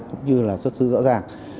cũng như là xuất sứ rõ ràng